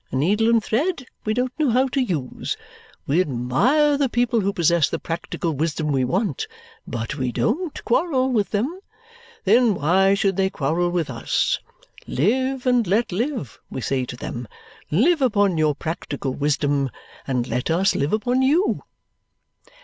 A needle and thread we don't know how to use. We admire the people who possess the practical wisdom we want, but we don't quarrel with them. Then why should they quarrel with us? Live and let live, we say to them. Live upon your practical wisdom, and let us live upon you!"